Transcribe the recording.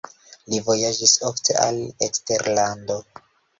Li vojaĝis ofte al eksterlando.